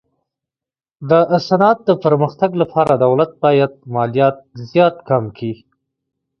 د صنعت د پرمختګ لپاره دولت باید مالیات زیات کم کي.